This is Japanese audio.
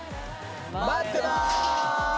まってます！